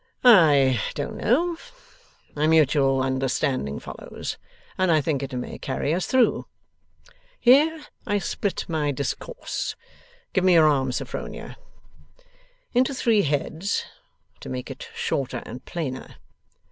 'I don't know. A mutual understanding follows, and I think it may carry us through. Here I split my discourse (give me your arm, Sophronia), into three heads, to make it shorter and plainer.